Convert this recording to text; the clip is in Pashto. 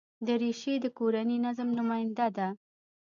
دریشي د کورني نظم نماینده ده.